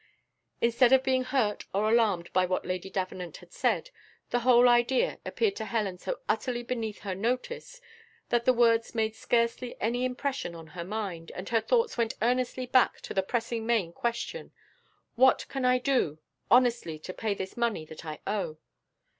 Instead of being hurt or alarmed by what Lady Davenant had said, the whole idea appeared to Helen so utterly beneath her notice, that the words made scarcely any impression on her mind, and her thoughts went earnestly back to the pressing main question "What can I do, honestly to pay this money that I owe?"